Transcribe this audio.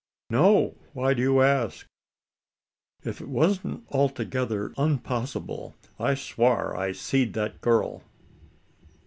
"No. Why do you ask?" "If it wan't altogether unpossible, I'd swar I seed that girl."